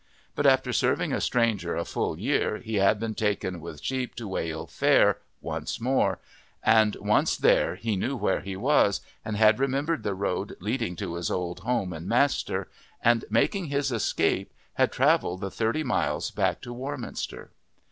But after serving a stranger a full year he had been taken with sheep to Weyhill Fair once more, and once there he knew where he was, and had remembered the road leading to his old home and master, and making his escape had travelled the thirty long miles back to Warminster.